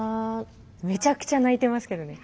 めちゃくちゃ泣いてますけどね。